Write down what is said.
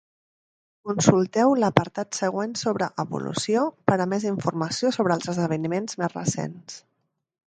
Consulteu l'apartat següent sobre "Evolució" per a més informació sobre els esdeveniments més recents.